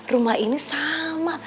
rumah ini sama